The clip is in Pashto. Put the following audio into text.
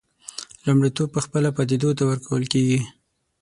لومړیتوب پخپله پدیدو ته ورکول کېږي.